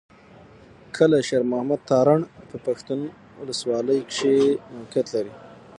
کلي شېر محمد تارڼ په پښتون اولسوالۍ کښې موقعيت لري.